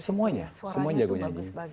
semuanya semuanya jago nyanyi